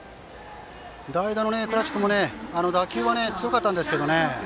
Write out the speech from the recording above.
代打の倉知君も打球は強かったんですけどね。